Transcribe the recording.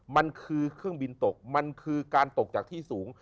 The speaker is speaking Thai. มันคือเครื่องบินตกมันคือการตกจากที่สูง